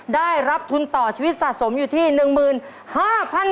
ได้รับทุนต่อชีวิตสะสมอยู่ที่๑๕๐๐๐บาท